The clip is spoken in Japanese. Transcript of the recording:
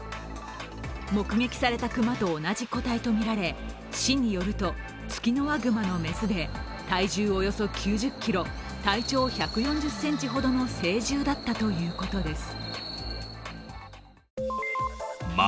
目撃された熊と同じ個体とみられ市によると、ツキノワグマの雌で体重およそ９０ｋｇ、体長１４０ｃｍほどの成獣だったということです。